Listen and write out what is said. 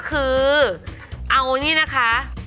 คือเอานี่นะคะ